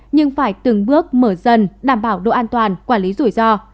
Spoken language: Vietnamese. nhưng phải từng bước mở dần đảm bảo độ an toàn quản lý rủi ro